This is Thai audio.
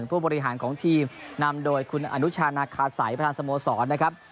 ผู้บริหารของทีมนำโดยคุณอนุชานาคาสัยประธานสโมสรนะครับ